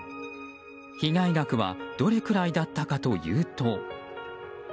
被害額はどれくらいだったかというと。